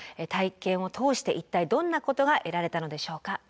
体験を通して一体どんなことが得られたのでしょうか。